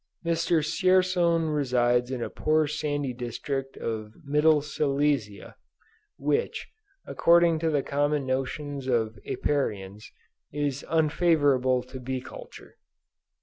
Mr. Dzierzon resides in a poor sandy district of Middle Silesia, which, according to the common notions of Apiarians, is unfavorable to bee culture.